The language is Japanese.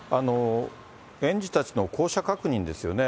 園児たちの降車確認ですよね。